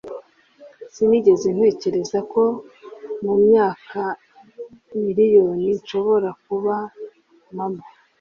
sinigeze ntekereza ko mumyaka miriyoni nshobora kuba mama